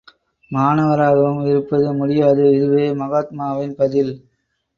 மாணவராகவும் இருப்பது முடியாது இதுவே மகாத்மாவின் பதில்.